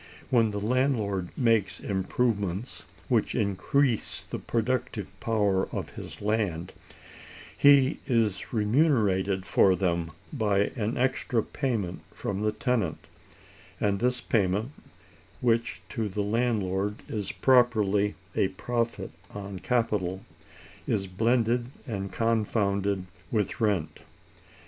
When the landlord makes improvements which increase the productive power of his land, he is remunerated for them by an extra payment from the tenant; and this payment, which to the landlord is properly a profit on capital, is blended and confounded with rent.